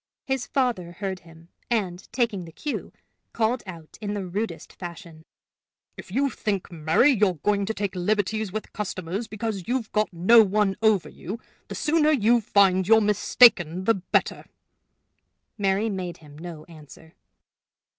His father heard him, and, taking the cue, called out in the rudest fashion: "If you think, Mary, you're going to take liberties with customers because you've got no one over you, the sooner you find you're mistaken the better." Mary made him no answer.